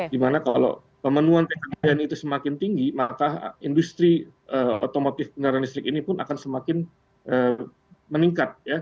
dimana kalau pemenuhan tkbn itu semakin tinggi maka industri otomotif kendaraan listrik ini pun akan semakin meningkat